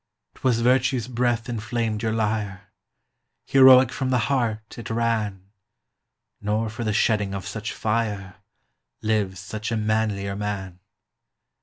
'T was virtue's breath inflamed your lyre, Heroic from the heart it ran; Nor for the shedding of such fire Lives since a manlier man.